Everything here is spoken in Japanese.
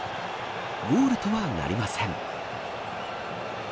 ゴールとはなりません。